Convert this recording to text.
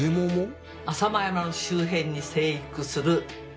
浅間山の周辺に生育する植物の実。